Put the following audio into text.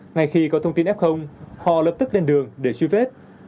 ngay khi có thông tin f họ lập tức lên đường để truy vết